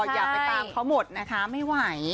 อย่าไปตามเขาหมดนะคะไม่ไหว